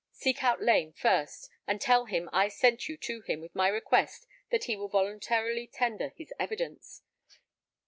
Seek out Lane first, and tell him I sent you to him with my request that he will voluntarily tender his evidence.